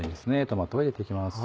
トマトを入れて行きます。